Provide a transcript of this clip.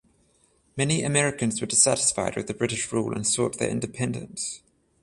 Many Americans were dissatisfied with British rule and sought their independence.